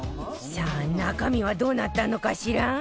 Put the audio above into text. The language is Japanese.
さあ中身はどうなったのかしら？